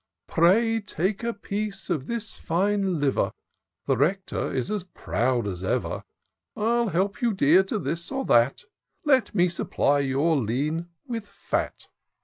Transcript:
Pray take a piece of this fine liver: The Rector is as proud as ever. I'll help you, dear, to this or that; Let me supply your lean with &t.